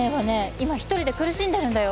今一人で苦しんでるんだよ？